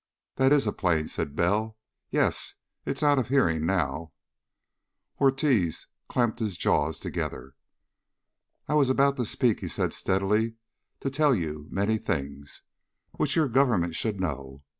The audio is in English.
"That is a plane," said Bell. "Yes, It's out of hearing now." Ortiz clamped his jaws together. "I was about to speak," he said steadily, "to tell you many things. Which your government should know.